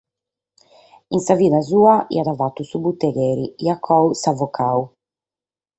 In sa vida sua aiat fatu su butegheri e a coa s’avocadu.